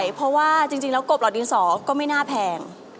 เพราะว่าจริงแล้วกบหลอดดินสอก็ไม่น่าแพง